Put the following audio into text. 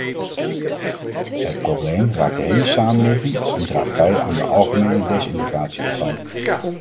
Het probleem raakt de hele samenleving en draagt bij aan de algemene desintegratie ervan.